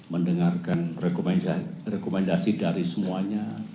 mendengarkan rekomendasi dari semuanya